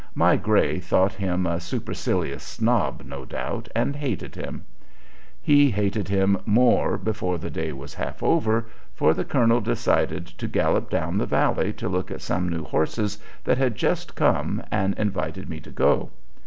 My gray thought him a supercilious snob, no doubt, and hated him. He hated him more before the day was half over, for the colonel decided to gallop down the valley to look at some new horses that had just come, and invited me to go.